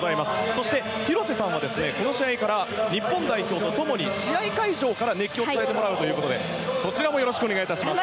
そして広瀬さんはこの試合から日本代表と共に試合会場から熱気を伝えてもらうということでそちらもよろしくお願いいたします。